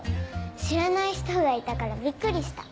知らない人がいたからびっくりした。